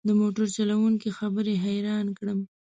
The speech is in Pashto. د موټر چلوونکي خبرې حيران کړم.